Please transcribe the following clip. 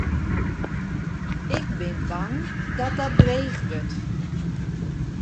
Ik bin bang dat dat dreech wurdt.